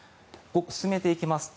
進めていきますと